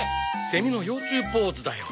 セミの幼虫ポーズだよ。